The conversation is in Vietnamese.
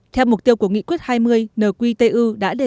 theo mục tiêu của nghị quyết hai mươi nqtu đã đề ra